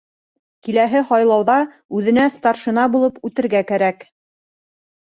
Киләһе һайлауҙа үҙенә старшина булып үтергә кәрәк.